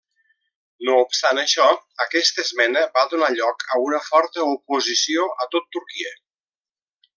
No obstant això, aquesta esmena va donar lloc a una forta oposició a tot Turquia.